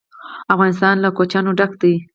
افغانستان له کوچیان ډک دی.